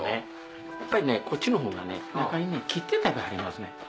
やっぱりねこっちの方がね切って食べはりますねん。